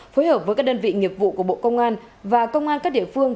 phối hợp với các đơn vị nghiệp vụ của bộ công an và công an các địa phương